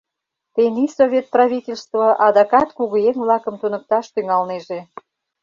Тений Совет правительство адакат кугыеҥ-влакым туныкташ тӱҥалнеже.